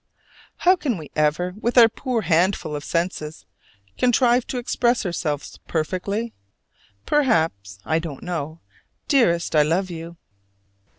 How can we ever, with our poor handful of senses, contrive to express ourselves perfectly? Perhaps, I don't know: dearest, I love you!